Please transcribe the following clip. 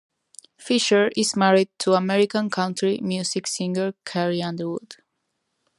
Fisher is married to American country music singer Carrie Underwood.